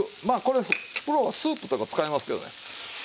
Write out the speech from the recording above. まあこれプロはスープとか使いますけどね。